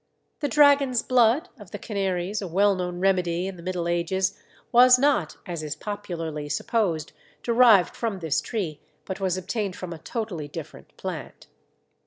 The "dragon's blood" of the Canaries, a well known remedy in the Middle Ages, was not, as is popularly supposed, derived from this tree, but was obtained from a totally different plant.